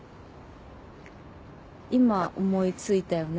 今思いついたよね？